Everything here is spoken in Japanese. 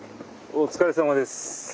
お疲れさまです。